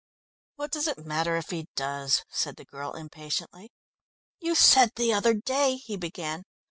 "What does it matter if he does?" said the girl impatiently. "You said the other day " he began.